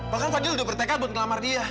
bahkan fadil udah berteka buat ngelamar dia